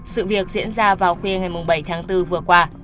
sự việc diễn ra vào khuya ngày bảy tháng bốn vừa qua